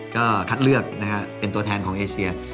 ก็คัดเลือกนะฮะเป็นตัวแทนของเอเชีย